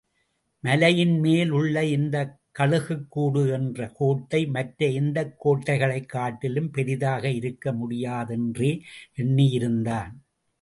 மலையின்மேல் உள்ள இந்தக் கழுகுக்கூடு என்ற கோட்டை, மற்ற எந்தக் கோட்டைகளைக் காட்டிலும் பெரிதாக இருக்க முடியாதென்றே எண்ணியிருந்தான்.